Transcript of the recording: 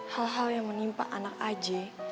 hal hal yang menimpa anak aj